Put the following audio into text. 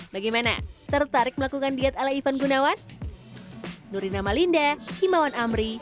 bagaimana tertarik melakukan diet ala ivan gunawan